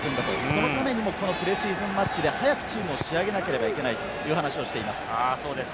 そのためにも、このプレシーズンマッチで早くチームを仕上げなければいけないという話をしています。